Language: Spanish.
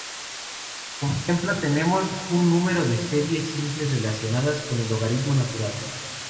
Como ejemplo, tenemos un número de series simples relacionadas con el logaritmo natural.